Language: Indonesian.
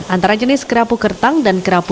antara jenis kerapu kertang dan kerapu